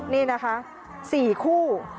นี่นะคะสี่คู่